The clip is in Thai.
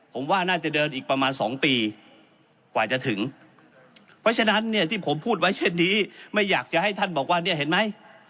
ผมว่าน่าจะเดินอีกประมาณสองปีกว่าจะถึงเพราะฉะนั้นเนี่ยที่ผมพูดไว้เช่นนี้ไม่อยากจะให้ท่านบอกว่าเนี่ยเห็นไหม